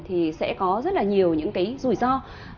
thì sẽ có rất là nhiều những cái rủi ro